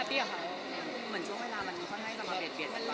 เหมือนช่วงเวลามันก็ให้จะมาเบียด